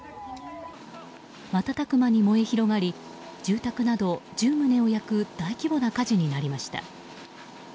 瞬く間に燃え広がり住宅など１０棟を焼く大規模な火事になりました。